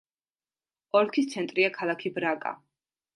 ოლქის ცენტრია ქალაქი ბრაგა.